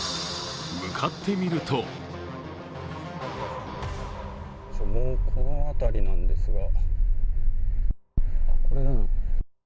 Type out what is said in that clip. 向かってみるとこの辺りなんですがこれだな。